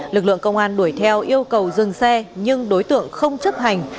lực lượng công an đuổi theo yêu cầu dừng xe nhưng đối tượng không chấp hành